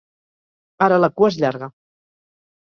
Ara la cua és llarga.